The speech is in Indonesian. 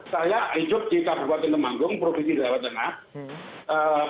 saya hidup di kabupaten temanggung provinsi rewetanak